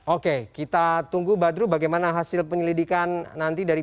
oke kita tunggu badru bagaimana hasil penyelidikan nanti dari